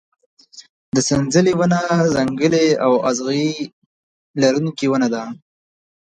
د سنځلې ونه ځنګلي او اغزي لرونکې ونه ده.